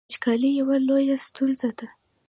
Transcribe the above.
وچکالي یوه لویه ستونزه ده